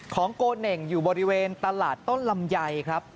โกเน่งอยู่บริเวณตลาดต้นลำไยครับ